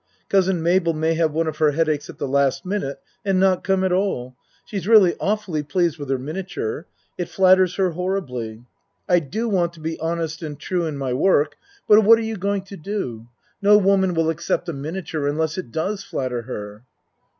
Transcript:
Cousin Mabel may have one of her headaches at the last minute and not come at all. She's really awfully pleased with her miniature. It flatters her horribly. I do want to be honest and true in my work, but what are you ACT II 49 going to do? No woman will accept a miniature unless it does flatter her.